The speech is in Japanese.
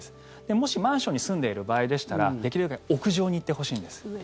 もし、マンションに住んでいる場合でしたらできるだけ屋上に行ってほしいんです。